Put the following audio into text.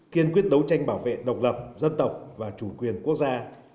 kiên quyết đấu tranh bảo vệ độc lập dân tộc và chủ quyền quốc gia